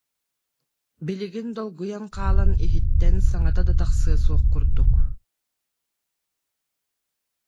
Билигин долгуйан хаалан иһиттэн саҥата да тахсыа суох курдук